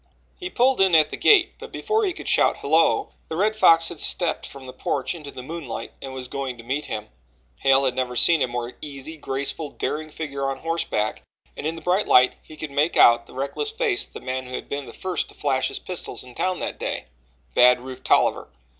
He pulled in at the gate, but before he could shout "Hello" the Red Fox had stepped from the porch into the moonlight and was going to meet him. Hale had never seen a more easy, graceful, daring figure on horseback, and in the bright light he could make out the reckless face of the man who had been the first to flash his pistol in town that day Bad Rufe Tolliver.